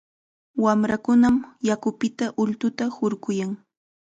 Wamrakunam yakupita ultuta hurquyan.